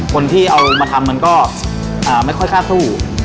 คนที่เอามาทำมันก็ไม่ค่อยกล้าสู้